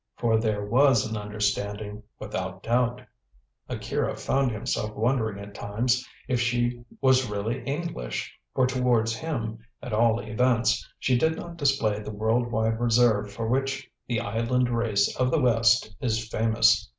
For there was an understanding without doubt. Akira found himself wondering at times if she was really English, for towards him, at all events, she did not display the world wide reserve for which the island race of the West is famous.